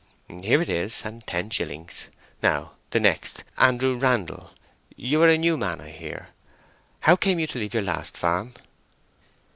"Here it is, and ten shillings. Now the next—Andrew Randle, you are a new man, I hear. How come you to leave your last farm?"